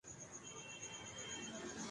تو ایسا ہی ہوتا ہے۔